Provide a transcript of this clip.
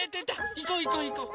いこういこういこう。